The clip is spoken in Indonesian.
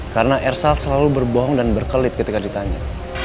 karena elsa selalu berbohong dan berkelit ketika ditanya